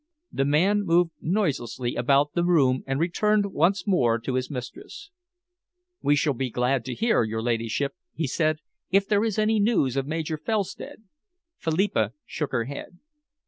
The man moved noiselessly about the room and returned once more to his mistress. "We should be glad to hear, your ladyship," he said, "if there is any news of Major Felstead?" Philippa shook her head.